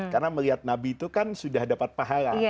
karena melihat nabi itu kan sudah dapat pahala